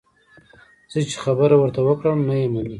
زه چې خبره ورته وکړم، نه یې مني.